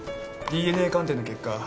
ＤＮＡ鑑定の結果